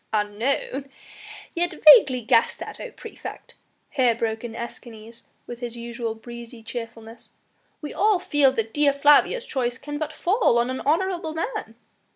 "Unknown, yet vaguely guessed at, O praefect," here broke in Escanes, with his usual breezy cheerfulness; "we all feel that Dea Flavia's choice can but fall on an honourable man."